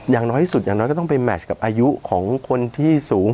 อย่างน้อยที่สุดอย่างน้อยก็ต้องไปแมชกับอายุของคนที่สูง